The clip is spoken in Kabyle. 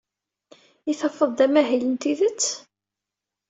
I tafeḍ-d amahil n tidet?